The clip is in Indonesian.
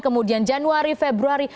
kemudian januari februari